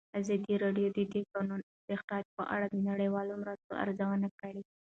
ازادي راډیو د د کانونو استخراج په اړه د نړیوالو مرستو ارزونه کړې.